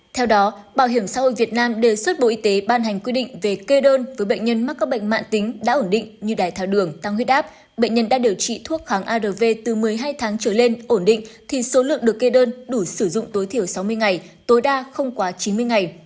theo đó bảo hiểm xã hội việt nam đề xuất bộ y tế ban hành quy định về kê đơn với bệnh nhân mắc các bệnh mạng tính đã ổn định như đái tháo đường tăng huyết áp bệnh nhân đã điều trị thuốc kháng arv từ một mươi hai tháng trở lên ổn định thì số lượng được kê đơn đủ sử dụng tối thiểu sáu mươi ngày tối đa không quá chín mươi ngày